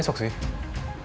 tidak tidak tidak